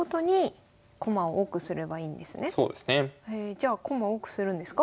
じゃあ駒多くするんですか？